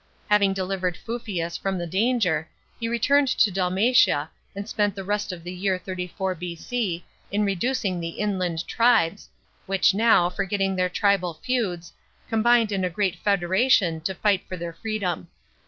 Having delivered Fufius from the danger, he turned to Dalmatia and spent the rest of the year 34 B.C. in reducing the inland tribes, which now, forgetting their tribal feuds, combined in a great federation to fight for their freedom.